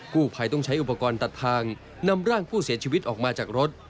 กู้ภัยต้องใช้อุปกรณ์ตัดทางนำร่างผู้เสียชีวิตออกมาจากรถ